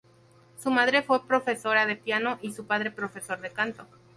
Su madre fue profesora de piano y su padre profesor de canto.